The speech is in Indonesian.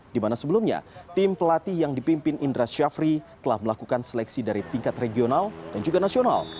di mana sebelumnya tim pelatih yang dipimpin indra syafri telah melakukan seleksi dari tingkat regional dan juga nasional